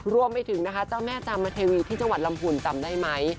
รวมไปถึงนะคะเจ้าแม่จามเทวีที่จังหวัดลำพูนจำได้ไหม